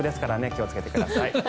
気をつけてください。